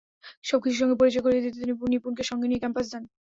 সবকিছুর সঙ্গে পরিচয় করিয়ে দিতে তিনি নিপুণকে সঙ্গে নিয়ে ক্যাম্পাসে যান।